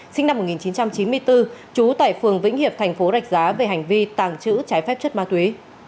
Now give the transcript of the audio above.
sinh năm một nghìn chín trăm chín mươi bốn trú tại phường vĩnh hiệp thành phố rạch giá về hành vi tàng trữ trái phép chất ma túy